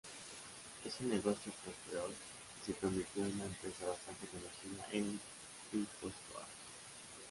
Ese negocio prosperó y se convirtió en una empresa bastante conocida en Guipúzcoa.